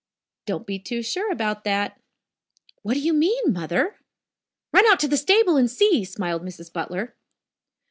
"Don't be too sure about that." "What do you mean, Mother!" "Run out to the stable and see," smiled Mrs. Butler.